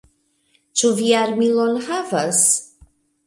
Ĉu vi armilon havas?